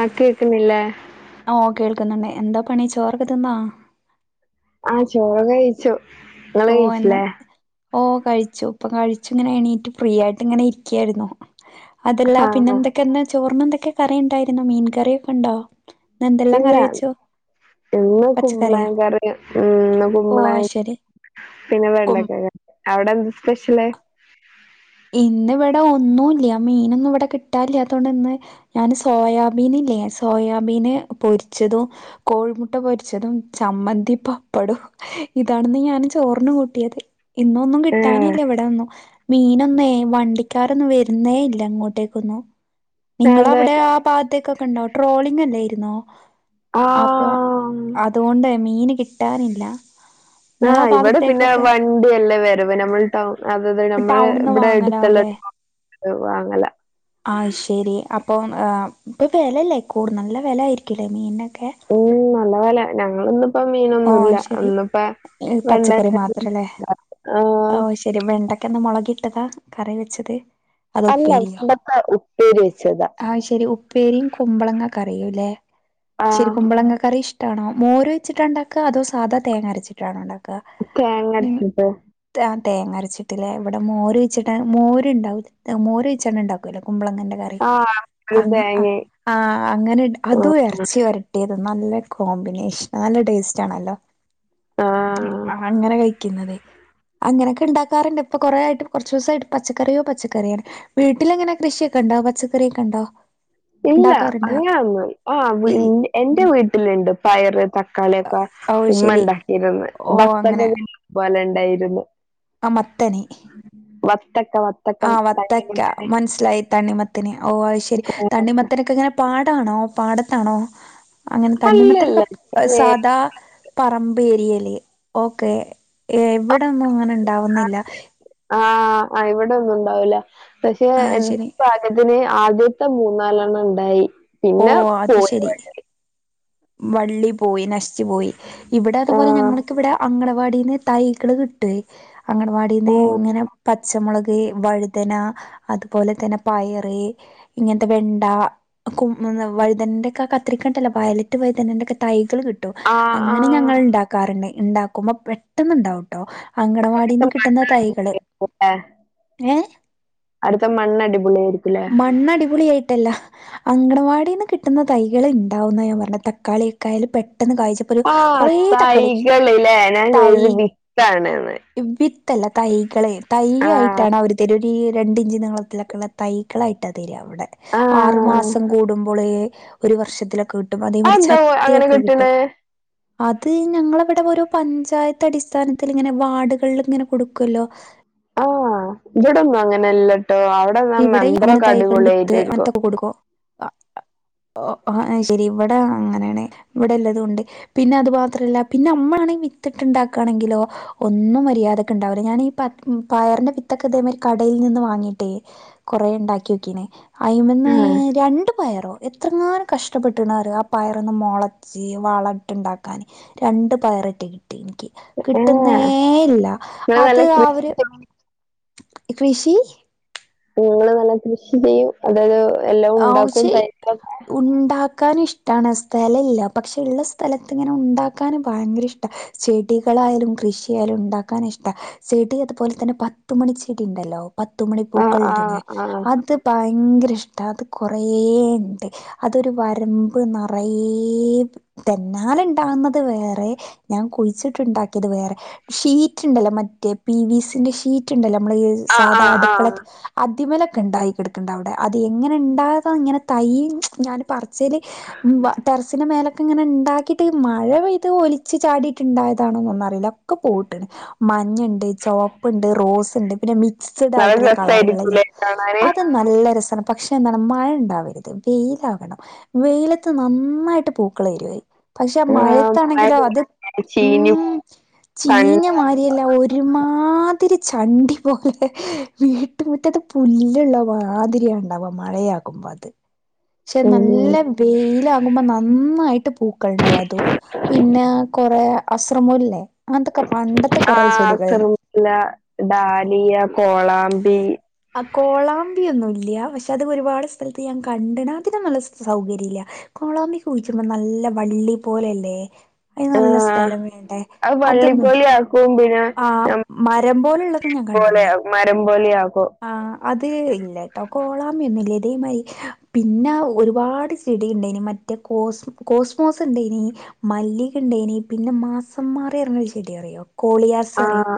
ആ കേക്കുന്നില്ല ഓ കേൾക്കുന്നുണ്ട് എന്താ പണി ചോറൊക്കെ തിന്നോ ആ ചോറ് കഴിച്ചു നിങ്ങള് ഓ എന്ന് കയിച്ചില്ലേ ഓ കഴിച്ചു ഇപ്പം കഴിച്ചു ഇങ്ങനെ എണീറ്റ് ഫ്രീ ആയിട്ട് ഇങ്ങനെ ഇരിക്കായിരുന്നു അതല്ല ആ പിന്നെ ആ. എന്തൊക്കൊ ചോർണം എന്ത ക്കെ കറി ഉണ്ടായിരുന്നു മീൻ കറിയൊക്കെ ഉണ്ടോ ഇന്ന് എന്തെല്ലാം ഇല്ല കറി വെച്ചു ഇന്ന് പച്ചക്കറിയാ കുമ്പകളങ്ങ കറി ഉം ഇന്ന് ഓ കുമ്പള ശരി പിന്നെ കും വെണ്ടകക അവിടെ എന്ത് സ്പെഷ്യല് [unintelligible] ഇന്ന് ഇവിടെ ഒന്നുല്ല മീനൊന്നും ഇവിടെ കിട്ടില്ല അതുകൊണ്ട് ഇന്ന് ഞാന് സോയാബീൻ ഇല്ലേ സോയാബീന് പൊരിച്ചതും കോഴിമുട്ട പൊരിച്ചതും ചമ്മന്തി പപ്പടും ഇതാണെന്ന് ഞാന് ചോർന്ന് കൂട്ടിയത് ഇന്നൊന്നും ഏ, കിട്ടാനില്ല ഇവിടെന്നും മീന ന്നേ വണ്ടിക്കാരൊന്നും വരുന്നേ ഇല്ല ഇങ്ങോട്ടേക്കൊന്നു നിങ്ങള എന്താ അവിടെ ആ ഭാഗത്തേക്ക ഉണ്ടാവും ട്രോളിങ് അല്ലേരി രുന്നോ ആ അപ്പൊ അതുകൊണ്ട് മീന് കിട്ട കിട്ടാറനില്ല ആഹ് ഇവിടെ പിന്നെ വണ്ടി എല്ലാം വരവ് നമ്മൾടൗ അതത് നമ്മള് ഇവിടെ എടു കൗടെ വാങ്ങല ആഹ ശരി അപ്പൊ ഇപ്പം വിലയില്ലേ കൂടു നല്ല വില ആയിരിക്കില്ലേ മീൻ ഉം നല്ല വെലെ ഞങ്ങലിന്നു ഇപ്പൊ ഓ മീനൊന്നുമല്ല ശരി ഒന്നപ്പ വേണ്ട പച്ചക്കറി മാത്രല്ലേ ആഹ കിട്ടുക കറി വെച്ചത് അത് അല്ല ഉപ്പേരിയാോ വെണ്ടക്ക ഉപ്പേരി വെച്ചതാ ആ ശരി ഉപ്പേരിയും കുമ്പളങ്ങക്ക പറയൂല്ലേ ആ ശരി കുമ്പളങ്ക കറി ഇഷ് ട്ടാണോര് വെച്ചിട്ടുണ്ടാ ക്ക അതോ സാധാ തേങ്ങ അരച്ചിട്ടാണ ഉണ്ട തേങ്ങടിച്ച് ട്ട ആഹ് തേങ്ങ അരച്ചിട്ടിൽ ഇവിടെ മോര് വെച്ചിട്ട മോരുണ്ടാവും മോര് ഓയിച്ച ഉണ്ടാക്കുല്ലോ കുമ്പളങ്ങന്റെ കറി ആ ഒരു തേങ്ങയും. ആ അങ്ങനെ അതും ഉം. ഇറച്ചി വരട്ടിയതു നല്ല കോമ്പിനേഷൻ നല്ല ടേസ്റ്റ് റ്റാണല്ലോ ആ. ആ അങ്ങനെ കൈ അങ്ങനെയൊക്കെ ഉണ്ടാക്കാറുണ്ട് ഇപ്പൊ കൊറേ ആയിട്ട് കുറച്ച ദിവസമായിട്ട് പച്ചക്കറിയോ പച്ചക്കറിയാ വീട്ടില എങ്ങനെ കൃഷിയൊക്കെ ഉണ്ടോ പച്ചക്കറിയൊക്കെ ഉണ്ടോ ഇല്ല അങ്ങനാന്ന ആ ഇൽ എന്റെ വീട്ടില്ണ്ട് പയറ് കളിയൊക്കാ ഓഹ് ഉമ്മ ശരി ഉണ്ടാക്കിയിന്ന് ഓഹ് ഭത്തന്റെ പോലെ ഉണ്ടായിരുന്നു ആ മത്തൻ വത്തക്ക വത്തക്ക ആ വത്തക്ക ഭയങ്കര മനസ്സിലായി തണ്ണിമത്തിനെ ഓ അത് ശരി തണ്ണിമ ത്തനക്കെ ഇങ്ങനെ പാടാണോ പാടത്താണോ അങ്ങനെ അല്ലല്ല തണ്ണിമത്തനൊക്കെ അതെ സാദാ പറമ്പ് പേരിയല്ലേ ഓക്കെ ഏ എവിടൊന്നും അങ്ങനെ ഉണ്ടാവുന്നില്ല ആ ആ ഇവിടെ ഒന്നും ഉണ്ടാവൂല്ല പക്ഷെ ആ എന്ത ശരി പാലത്തിന് ആദ്യ ഇ മൂന്നാലെണ്ണം ഉണ്ടായി ഓ അത് ശരി വള്ളി പോയി ന ന പോയി ഇവിടെ ആ. അതുപോലെ ഞങ്ങക്ക് ഇവിടെ അ വാടിന്ന് തൈകള് കിട്ടുഎ അംഗണവാടീന്ന് ഉം. ഇങ്ങനെ പച്ചമുളക് വഴുതന അതുപോലെ തന്നെ പയറ് ഇങ്ങനത്തെ വെണ്ട കും വഴുതനന്റെക്കെ കത്രിക്കണ്ടല്ലോ വയലറ്റ് വൈതനന്റക്കെ തൈ കൾ കിട്ടോ ആ ആ. അങ്ങനെ ഞങ്ങൾ ഉണ്ടാക്കാറുണ്ട് ഇണ്ടാക്കുമ്പോ പെട്ടെന്ന് ഇണ്ടാകുട്ടോ അടുത്ത അങ്കണവാടിന്ന് മ- കിട്ടുന്ന തൈകള് ഏ ആട്ത്തെ മണ്ണ് അടിപൊളി ആരിക്കുലെ? അങ്കണവാടീന്ന് കിട്ടുന്ന തൈകൾ ണ്ടാവൂന്ന ഞാൻ പറഞ്ഞെ തക്കാളിയൊക്കെയായാൽ പെ ആ തൈകള് ലെ ഞാൻ തൈ കരുതി വിത്താണ് ന്ന്. ത്തല്ല തൈകളെ തയ്യായിട്ടാണ് അവർ തരു ഈ രണ്ടിഞ്ച് നീളത്തിലൊക്കെയുള്ള തൈകളായിട്ടാ തെര. ടെ ആറ് ആഹ് മാസ് പ്പം കൂടുമ്പോള് ഒരു വർഷത്തിലൊക്കെ കിട്ടും അ അതേമാതിരി എന്താവോ അങ്ങനെ ചട്ടിയൊക്കെ കിട്ടും കിട്ട്ണ്. അത് ഞങ്ങളവ്ടെ ഓരോ പഞ്ചായത്ത് അടിസ്ഥാനത്തില് ഇങ്ങനെ വാർഡുകളിൽ ഇങ്ങനെ കൊടുക്കല്ലോ. ആ ഇവടൊന്നും അങ്ങനെല്ല. ഇവിടെ അങ്ങനെ തൈകള് വിത്ത് അങ്ങനതൊക്കെ കൊടുക്കോ. ആ ആ ഓ അയ്ശരി ഇവിടെ അങ്ങനെണ് ഇവിടെല്ലതുണ്ട് പിന്നെ അത് മാത്രല്ല പിന്നെ നമ്മളാണെങ്കിൽ വിത്തിട്ടുണ്ടാക്കാണെങ്കിലോ ഒന്നും മര്യാദക്ക് ണ്ടാവൂല ഞാനീ പയറിന്റെ വിത്തൊക്കെ ഇതേമാതിരി കടയിൽ നിന്ന് വാങ്ങിട്ടേ കൊറെ ണ്ടാക്കിയോക്കീന്. അയ്മന്ന് ആഹ് രണ്ട് പയറോ എത്രങ്ങാനും കഷ്ടപ്പെട്ട്ണറിയോ ആ പയറൊന്ന് മൊള [unintelligible] വളട്ട്ണ്ടാക്കാന് രണ്ട് പയറിട്ടി എനിക്ക് ഏഹ് കിട്ടുന്നേ ഇല്ല നിങ്ങള് നല്ല അത് കൃഷി അവര് ചെയ്യും, കൃഷി ഇങ്ങൾ നല്ല കൃഷി ചെയ്യും അതൊരു എല്ലാം ഉണ്ടാക്കും തൈകളൊക്കെ ക്കാനും ഇഷ്ടാണ് സ്ഥലല്ല പക്ഷെ ഉള്ള സ്ഥലത്ത് ഇങ്ങനെ ഉണ്ടാക്കാനും ഭയങ്കര ഇഷ്ട ചെടികളായാലും കൃഷിയായാലും ഉണ്ടാക്കാന ഇഷ്ടം ചെടി അതുപോലെ തന്നെ പത്തുമണി ചെടി ണ്ടല്ലോ പത്തുമണി ആഹ് ആഹ് പൂക്കൾണ്ടല്ലോ ആഹ് അത് ഭയങ്കര ഇഷ് ടാ അത് കുറേണ്ട് അതൊരു വരമ്പ് നറേ തന്നാല ഇണ്ടാകുന്നത് വേറെ ഞാൻ കുഴിച്ചിട്ടുണ്ടാക്കിയത് വേറെ ഷീറ്റ് ഉണ്ടല്ലോ മറ്റേ പി വി സി ന്റെ ഷീറ്റ് ണ്ടല്ലോ നമ്മളെ ഈ ആഹ് സാധാ ആഹ് ആഹ് അടുക്കളൊക്കെ അതിമലൊ ണ്ടായികടക്ക്ണ്ടവടെ അത് എങ്ങനെ ണ്ടായതാ ഇങ്ങനെ തൈ ഞാൻ പറ ച്ചല് വാ ടെറസിൻ്റെ മേലേ ക്ക് ങ്ങനെ ഇണ്ടാക്കിട്ട് മഴ പെയ്ത് ഒലിച്ച് ചാടിട്ട്ണ്ടായതാണോന്നൊന്നറില്ല. ക്കെ പൂവ് ട്ട്ണ് മഞ്ഞണ്ട് ചോപ്പ്ണ്ട് റോസ്ണ്ട് പിന്നെ നല്ല മിക്സ്ഡായിട്ടുള്ള കളറ്കളല്ല രസായിരിക്കൂല്ലേ കാണാന് അത് നല്ല രസാണ് പക്ഷെ എന്താണ് മഴ ഉണ്ടാവരുത്, വെയിലാവണം വെയിലത്ത് നന്നായിട്ട് പൂക്കൾ വരുവേ. പക്ഷെ ആഹ് മഴ മഴത്താണെങ്കിലോ അത് പെയ്യുമ്പോ ചീഞ്ഞ് ഉം പോകും ചീഞ്ഞ കണ്ട് മാരിയലേ ഒരുമാ മാതിരി ചണ്ടി പോലെ വീട്ടുമുറ്റത്ത് പുല്ലുള്ള മാതിരിയാണ്. അവ മഴയാകുമ്പത്ത്. പക്ഷെ ഉം നല്ല വെയിലാകുമ്പോ നന്നായി ഇട്ട് പൂക്കളിയുണ്ടാവോ അതോ പിന്നെ കൊറെ അസർമ്മുല്ലേ. ആഹ് അസർമുല്ല ഡാലിയ കോളാ ബി ആഹ് കോളാമ്പിയൊന്നുല്യ, പക്ഷെ അത് ഒരുപാട് സ്ഥലത്ത് ഞാൻ കണ്ടണ് അതിന് നല്ല സൗകര്യം ഇല്ല, കോളാമ്പി കുഴിച്ചുടുമ്പോ നല്ല വള്ളി പോലെയല്ലേ. അയിന് നല്ല ആഹ് സ്ഥലം വേണ്ടേ അത് അതൊന്നും. വള്ളിപോലെ ആക്കും പിന്നെ ആഹ് നം മരം പോലുള്ളത് ഞാൻ കണ്ടണ്. പോലെയാവും. ആഹ് അത് ഇല്ലകേട്ടോ കോളാബിയൊന്നില്ലേ. ഇതേമാരി പിന്നെ ഒരുപാട് ചെടി ഇണ്ടേന് മറ്റേ കോസ് കോസ്മോസ് ഇണ്ടേന്, മല്ലിക ഇണ്ടേന്, പിന്നെ മാസം മാറിറന്നോരു ചെടിയറിയോ? കോളിയാസറിസ് ആഹ്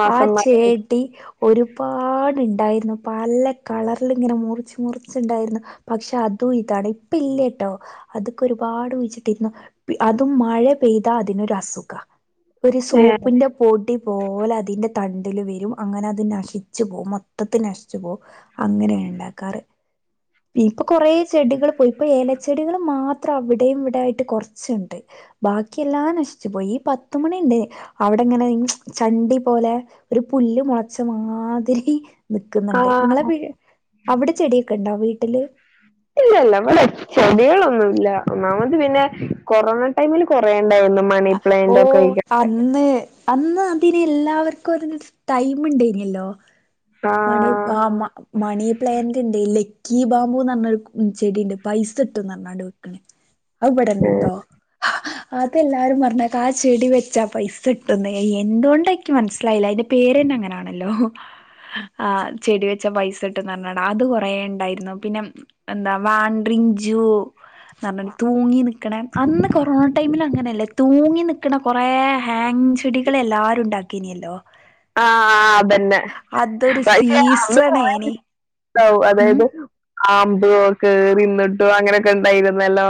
മാസം ആഹ് മരം ചെടി. ഒരുപാട് പ്പഇണ്ടായിരുന്നു പല കളറില് ഇങ്ങനെ മുറിച്ച് മുറിച്ച്ണ്ടായിരുന്നു പക്ഷെ അതും ഇതാണ് ഇപ്പ ഇല്ലട്ടോ അത്ക്കൊരുപാട് കുഴിച്ചിട്ടിരുന്നു അതും മഴ പെയ്താ അതിനൊരു അസുഖാ ഒരു സോപ്പ്ന്റെ പൊടി പോലതിന്റെ തണ്ടില് വെരും അങ്ങനത് നശിച്ചു പോകും മൊത്ത് ത്തത്തി നശിച്ചു പോവും അങ്ങനെയാഇണ്ടാക്കാറ് ഇൻക്ക് കൊറേ ചെടികള് ഇപ്പൊ എലച്ചെടികള് മാത്ര്- അത്ര അവിടെയും ഇവിടെആയിട്ട് കൊറച്ച്ണ്ട് ബാക്കിയെല്ലാം നശിച്ചു പോയീ പത്തുമണിണ്ട് അവ്ടെങ്ങനെ ഈ ചണ്ടി പോലെ ഒരു പുല്ല് മുളച്ച മാതിരി നിക്ക്ന്ന്ണ്ട് ആഹ് ഇങ്ങളെ പീട് അവ്ടെ ചെടിയൊക്കെണ്ടോ വീട്ട് ട്ടില് ഇല്ലല്ല ഇവടെ ചെടികളൊന്നുല്ല ഒന്നാമത് പിന്നെ കൊറോണ ടൈമില് കൊറേ ണ്ടായിരുന്നു ഓ മണിപ്ലാൻ്റ് ഒക്കെ ഒഴ്കെ അന്ന് അന്ന് അതിന് എല്ലാവർക്കും ഒരു ടൈം ഇണ്ടേന്യല്ലോ ആഹ് മണീആ മ മണീപ്ലാൻ്റ് ഇണ്ടേല്ലേ കീ ബാമ്പൂന്നർഞ്ഞൊരു ചെടിണ്ട് പൈസ ഇട്ടുംന്നർഞ്ഞാണ്ട് വെക്ക്ണെ അഅ്ഇബടണ്ട്ട്ടോ അതെല്ലാവാരും പറഞ്ഞേക്ക ആ ചെടി വെച്ചാ പൈസ ഇട്ടുന്ന് എന്തൊണ്ട നിക്ക് മനസ്സിലായില്ല അയിന്റെ പേരന്നെ അങ്ങനെയാണല്ലോ ആ ചെടി വെച്ച പൈസ ഇട്ട്ന്ന് പറഞ്ഞ അത് കൊറേ ഉണ്ടായിരുന്നു പിന്നെ എന്താ വാൻ്രിൻ തൂങ്ങി നിക്കണ അന്ന് കൊറോണ ടൈമിൽ അങ്ങനെയല്ലേ തൂങ്ങി നിക്കണ കൊറെേ ഹാങ് ചെടികൾ എല്ലാരും ഉണ്ടാക്കീനല്ലോ ആ ആ അതന്നെ അതൊരു വൈ സീസണേനി ഉം അതായത് ആമ്പ ഒൽക്കെ തിന്നിട്ടു അങ്ങനെയൊക്കെ ഉണ്ടായിരുന്നല്ലോ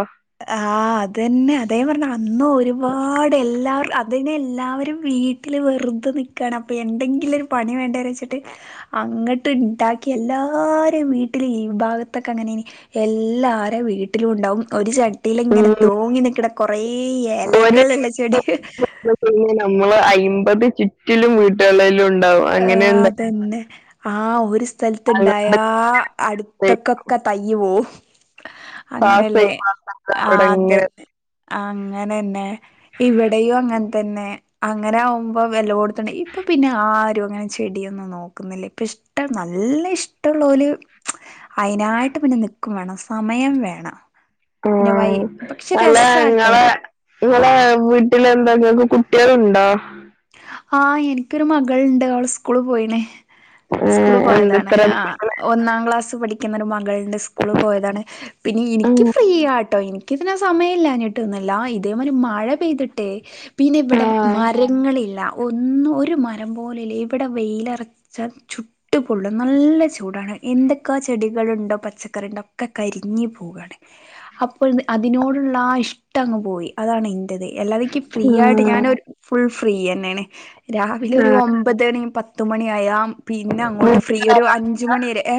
ആ അതന്നെ അതെ പറഞ്ഞെ അന്ന് ഒരുപാട് എല്ലാവരും വീട്ടിൽ വെരുതേ നിക്കാണ് എന്നകിലു ഒരു പണിവേണ്ടേ തുട്ട് അങ്ങട്ട് ഇണ്ടാക്ക്കി എല്ലാരിമ്മ്മ് വീട്ടില് ഈൗ പാകത്തൊകെഅങ്ങനെ എല്ലാരെ വീട്ടിലും ഉണ്ടാകും ഒരു ചട്ട ട്ടിയിലിങ്ങനെ ഉം തൂങ്ങി നിക്കണേ കൊറെേ എല്ലാകളില്ല ചെടി അയമ്മ്പത് ചുറ്റിലും വീട്ടുകളിലുണ്ട് ആഹ അതെന്നെ ആഹ ഒരു ഞങ്ങളുടെ സ്ഥലത്തുണ്ടായാ അടുത്തക്കൊക്കെ തയ്യുവോ അങ്ങനെയല്ലേ കഴിഞ്ഞാ ആ അവിടെ ഇങ്ങനെ അതെന്നെ അങ്ങനെന്നെ ഇവിടെയും അങ്ങനെ തന്നെ അങ്ങനെ ആകുമ്പോ വെല കൊടു- ഇപ്പൊ പിന്നെ ആ അങ്ങനെ ചെടിയൊന്നും നോക്കുന്നില്ലേ ഇപ്പ ഇഷ്ടം നല്ല ഇഷ്ടമുള്ള ഒരു അതിനതിനായിട്ട് പിന്നെ നക്കും വേണം സമയം വേണം ആ പിന്നെ വൈ പക്ഷെ അല്ല രസാട്ടോ നിങ്ങളെ നിങ്ങളെ വീട്ടില എന്തൊക്ക കുട്ടിയലുണ്ടോ ആഹ എനിക്കൊരു മകൾുണ്ട് അവള് സ്കൂള് പോയിനെ ഏ, സ്കൂള് എന്ത് പോയതാണ് ഇത്ര ആ മക്കള്? ഒന്നാം ക്ലാസ് പഠിക്കുന്ന ഒരു മകളിന്റെ സ്കൂള പോയതാണ് പിന്നെ എനിക്ക് ഫ്രീ ആട്ടോ എനിിക്കിതിനന് സമയം ഇില്ലഞ്ഞിട്ട് ഒന്നുംില്ല ഇതേമാതിരി മഴ ചെയ്തിട്ടെ ആ പിന്നെവിടെ മറേ ില്ല ഒ ഒരു ം പോലല്ലേ ഇവിടെ വെയിലറച്ചാ ചുട്ടുപൊള്ളും നല്ല ചൂടാണ് എന്തൊക്കാ ചെടിക ണ്ടോ പച്ചക്കറി ഉണ്ടോ ഒക്കെ കരി പോയാണ് അപ്പോ അതിനോടുള്ള ആ ഇഷ്ടങ് പോയി അതാണ് ന്തദ് അല്ലാതേ ഫ്രീ ആയിട്ട് ഉം, ഞാനരു ഫുൾ ഫ്രീ തന്നെയാണ് രാവിലെ ആ. ഒരു ഒമ്പത്ണിയ പത്ത് തുുമണിയയാാം പിന്നെ അങ്ങോട്ട് ഫ്രീ ഒരു വീട്ടിലാരാ- അഞ്ച മണി വരെ ഏ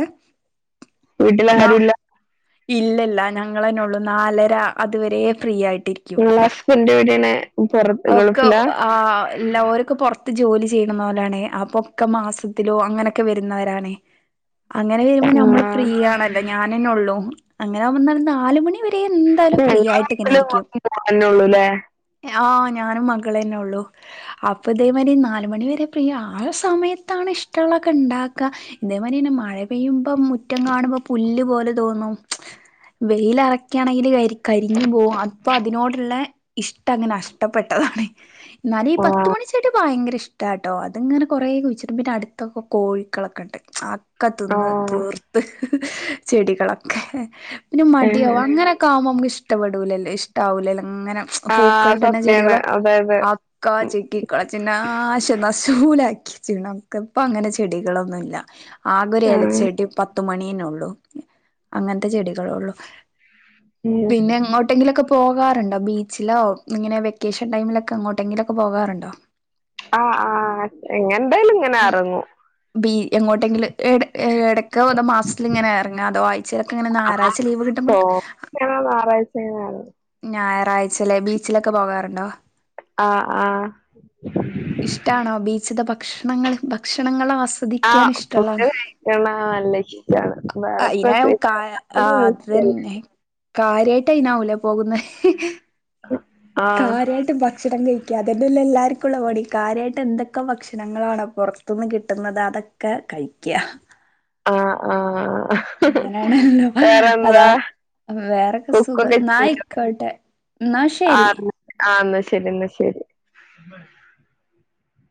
ആാ വീട്ടിലാരുമില്ല ഇല്ലല്ല ഞങ്ങളന്നെ ഉള്ളൂ നാലര അതുവരെ ഫ്രീ ആയിട്ട് ങ്ങളെ ഹസ്ബന്റെ് എവിടെണ് പുറത്ത് അതൊക്കെ ഗൾഫിലാ? ആ ഇല്ല ഒരൊക്കെ പൊർത് ത്ത് ജോലി ചെയ്യുന്നവരാണേ അപ്പൊക്കെ മാസത്തിലോ അങ്ങനൊക്കെ വരുന്നവരാണേ. അങ്ങനെ ആ വരുമ്പോൾ നമ്മള് ഫ്രീ ആണല്ലോ ഞാനെന്നെ ഉള്ളൂ. അങ്ങനെ വന്നാൽ നാലുമണി വരെ എന്തായാലും ഫ്രീ ഞങ്ങളെ ആയിട്ട് വീട്ടില് ഇങ്ങനെയിരിക്കും മോനുള്ളൂ അല്ലേ ആ ഞാനും മക ളെന്നെ ഉള്ളൂ. അപ്പൊ ഇതേമാതിരി നാലുമണിവരെ ഫ്രീയാ ആ സമയത്താണ് ഇഷ്ടള്ളക്കെ ഇണ്ടാക്ക, ഇതേമാതിരി തന്നെ മഴ പെയ്യു മ്പം മുറ്റം കാണുമ്പോ പുല്ല് പോലെ തോന്നും. വെയിലറക്കാണെങ്കിൽ വരി കരിഞ്ഞു പോകും അപ്പൊ അതിനോടുള്ള ഇഷ്ടം അങ്ങനെ അഷ്ടപ്പെട്ടതാണ്. എന്നാല് ഈ ആ പത്ത് മണി ചെടി ഭയങ്കര ഇഷ്ടാട്ടോ, അത്ങ്ങനെ കൊറേ കുഴിച്ചിടും, പിന്നെ അടുത്തൊക്കെ കോഴികളൊക്കെ ഉണ്ട് ആ കത്തന്ന് തോർത്ത് ചെടികളൊക്കെ പിന്നെ മടിയാവും. ഏ അങ്ങനൊക്കെ ആവുമ്പോ നമുക്ക് ഇഷ് ഇഷ്ടപ്പെടൂലല്ലൊ ഇഷ്ടാവൂലല്ലൊ അങ്ങനെ ആഹ് പൂക്കളുടെ തന്നെ സത്യാണ് ചെടികള് അതായത് അതൊക്കെ ചിക്കിക്കളച് നാശനശൂലാക്കി. [unintelligible] ഇപ്പ അങ്ങനെ ചെടികളൊന്നുംല്ല ആകെ ഒരു ഉം ഇലച്ചടി പത്ത് പത്തുമണിയെന്നുള്ളൂ അങ്ങനത്തെ ചെടികളെ ഉള്ളു പിന്നെ എങ്ങോട്ടെങ്കിലൊക്കെ പോകാറുണ്ടോ ബീച്ചിലോ ഇങ്ങനെ വെക്കേഷൻ ടൈമിലൊക്കെ [inaudible] ട്ടെങ്കിലൊക്കെ പോകാറുണ്ടോ ആഹ് ആഹ് ആഹ് എങ്ങെന്തായാലും ഇങ്ങനെ ഈ എറങ്ങും ബി എങ്ങോട്ടെങ്കും എടയ്ക്ക് തോ മാസത്തിൽ ഇങ്ങനെ ഇറങ്ങ അതോ ആഴ്ചയിലൊക്കെ ഇങ്ങനെ ആ ഞായറാഴ്ച ലീവ് കിട്ടുമ്പൾ സോ ഇങ്ങനെ [unintelligible] ഞായറാഴ്ചല്ലേ ബീ ച്ചിലൊക്കെ പോകാറുണ്ടോ? ആ ആ ഇഷ്ടാണോ ബീച്ചിത്തെ ഭക്ഷണങ്ങൾ, ഭക്ഷണങ്ങളാ ആ ഫുഡ് കഴിക്ക നല്ല ഇഷ്‌ടാണ് വേറെ അയിന് കാര്യമായിട്ട് അയിനാവ് ലെ പോകുന്നേ ആ കാര്യായിട്ട് ഭക്ഷണം കഴിക്കാതെ ഇതല്ല എല്ലാർക്കുംള്ള പണി കാര്യയിട്ട് എന്തൊക്കെ ഭക്ഷണങ്ങളാണ് പുറത്തുന്ന് കിട്ട്ന്നത് അതൊക്കെ കഴിക്ക ആഹ് ആഹ് അങ്ങനെയണല്ലോ അതാ വേറെന്താ വേറെക്കെ സുഖം കുക്കൊക്കെ ചെയ്യോ നായിക്കോട്ടെ എന്നാ ശെരി ആഹ എന്നാ ശരി എന്നാ ശരി